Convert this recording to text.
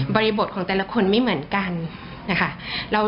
บริบทของแต่ละคนไม่เหมือนกันนะคะ